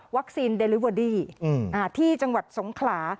เดลิเวอรี่ที่จังหวัดสงขลา